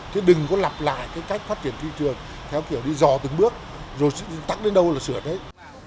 thế đừng có lặp lại cái cách phát triển thị trường theo kiểu đi dò từng bước rồi tắt đến đâu là sửa đấy